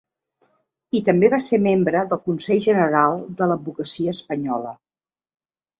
I també va ser membre del Consell General de l'Advocacia Espanyola.